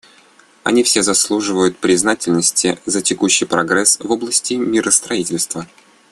Они все заслуживают признательности за текущий прогресс в области миростроительства.